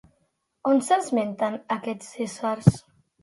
On s'esmenta a aquests éssers?